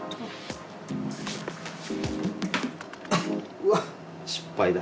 うわっ失敗だ。